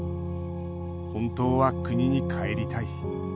本当は国に帰りたい。